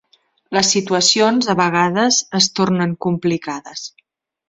Les situacions, a vegades, es tornen complicades